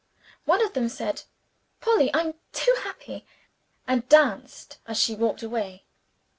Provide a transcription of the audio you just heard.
One of them said, "Polly, I'm too happy!" and danced as she walked away.